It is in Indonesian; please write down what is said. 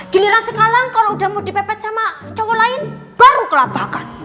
giliran sekarang kalau udah mau dipepet sama cowok lain baru kelapakan